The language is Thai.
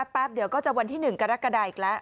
แป๊บเดี๋ยวก็จะวันที่หนึ่งกระดาษกระดาษอีกแล้ว